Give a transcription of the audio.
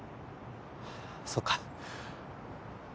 そうか。